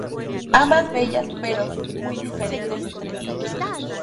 Ambas bellas pero muy diferentes entre sí.